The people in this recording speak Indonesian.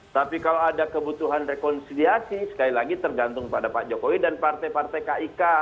tapi kalau ada kebutuhan rekonsiliasi sekali lagi tergantung pada pak jokowi dan partai partai kik